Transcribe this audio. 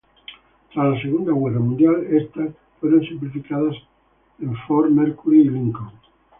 Tras la Segunda Guerra Mundial, estas fueron simplificadas en Ford, Mercury, y Lincoln.